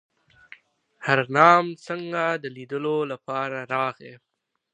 هرنام سینګه د لیدلو لپاره راغی.